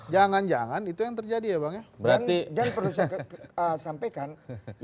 jangan jangan itu yang terjadi ya bang ya berarti yang perlu saya sampaikan yang semua itu balik ke plane maksud aku di atasan ke dua